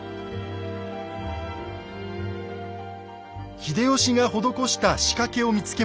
秀吉が施した仕掛けを見つけました。